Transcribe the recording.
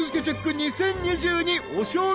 ２０２２お正月